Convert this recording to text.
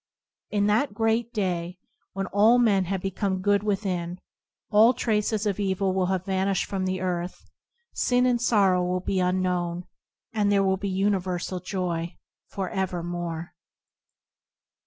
In that great day when all men have become good within, all traces of evil will have vanished from the earth; sin and sorrow will be unknown ; and there will be universal joy for evermore.